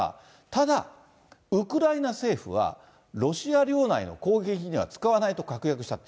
ただ、ウクライナ政府は、ロシア領内の攻撃には使わないと確約した。